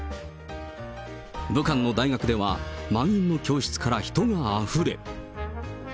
武漢の大学では満員の教室から人があふれ。